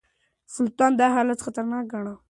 سلطان دا حالت خطرناک ګاڼه.